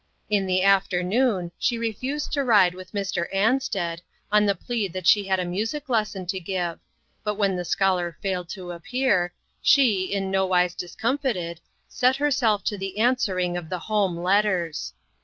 In the afternoon, she refused to ride with Mr. Ansted, on the plea that she had a music lesson to give, but when the scholar failed to appear, she, in nowise discomfited, set herself to the answering of the home letters.